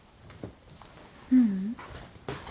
ううん。